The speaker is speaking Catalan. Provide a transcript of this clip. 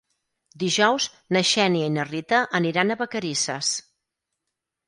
Dijous na Xènia i na Rita aniran a Vacarisses.